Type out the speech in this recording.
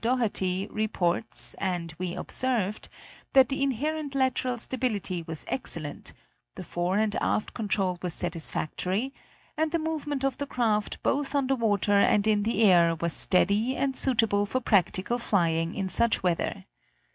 Doherty, reports, and we observed, that the inherent lateral stability was excellent, the fore and aft control was satisfactory, and the movement of the craft both on the water and in the air was steady and suitable for practical flying in such weather.